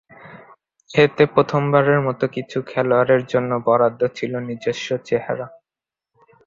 এতে প্রথমবারের মত কিছু খেলোয়াড়ের জন্য বরাদ্দ ছিল নিজস্ব চেহারা।